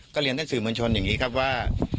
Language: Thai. เรียนท่านสื่อมวลชนอย่างนี้ครับว่า